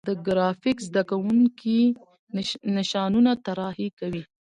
د ګرافیک زده کوونکي نشانونه طراحي کوي.